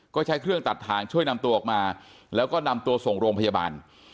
ก็ใช้เครื่องตัดทางช่วยนำตัวออกมาแล้วก็นำตัวส่งโรงพยาบาล